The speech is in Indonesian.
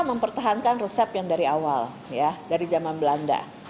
mempertahankan resep yang dari awal ya dari zaman belanda